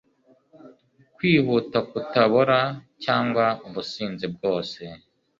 Kwihuta kutabora cyangwa ubusinzi bwose